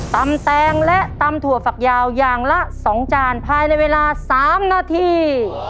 แตงและตำถั่วฝักยาวอย่างละ๒จานภายในเวลา๓นาที